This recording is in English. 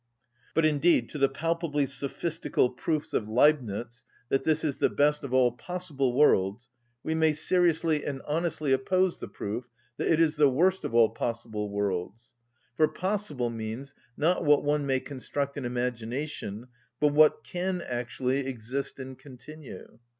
But indeed to the palpably sophistical proofs of Leibnitz that this is the best of all possible worlds, we may seriously and honestly oppose the proof that it is the worst of all possible worlds. For possible means, not what one may construct in imagination, but what can actually exist and continue.